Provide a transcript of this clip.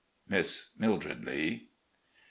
"Miss Mildred Lee."